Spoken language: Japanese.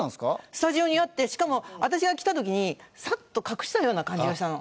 スタジオにあってしかも私が来た時にサッと隠したような感じがしたの。